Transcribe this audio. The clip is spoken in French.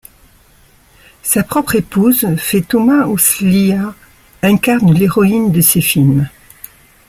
Sa propre épouse, Fettouma Ousliha, incarne l'héroïne de ses films.